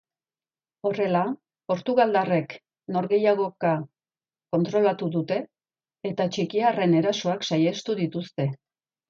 Horrela, portugaldarrek norgehiagoka kontrolatu dute, eta txekiarren erasoak saihestu dituzte.